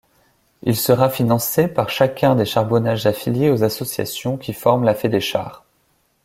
Il sera financé par chacun des charbonnages affiliés aux associations qui forment la Fédéchar.